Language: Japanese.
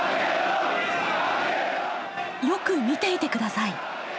よく見ていてください！